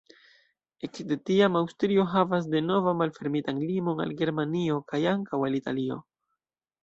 Ekde tiam Aŭstrio havas denova malfermitan limon al Germanio kaj ankaŭ al Italio.